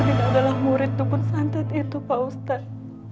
bila adalah murid tukun santet itu pak ustadz